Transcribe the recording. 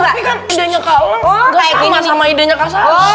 tapi kan idenya kalang gak sama sama idenya kak sarah